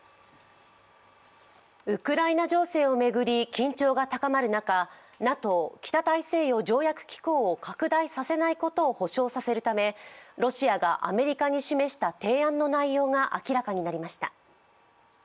ウクライナ情勢を巡り緊張が高まる中、ＮＡＴＯ＝北大西洋条約機構を拡大させないことを保証させるためロシアがアメリカに示した提案の内容が明らかになりました。